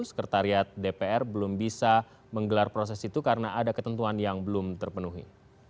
sekretariat dpr belum bisa menggelar proses itu karena ada ketentuan yang belum terpenuhi